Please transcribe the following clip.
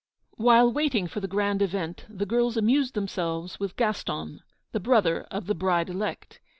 While waiting for the grand event, the girls amused themselves with Gaston, the brother of the bride elect.